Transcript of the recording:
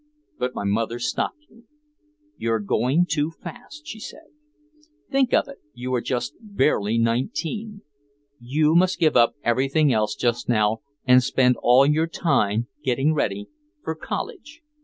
But here my mother stopped me. "You're trying to go too fast," she said. "Think of it, you are barely nineteen. You must give up everything else just now and spend all your time getting ready for college.